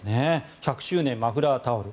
１００周年マフラータオル。